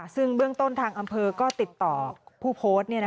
ซึ่งเบื้องต้นทางอำเภอก็ติดต่อผู้โพสต์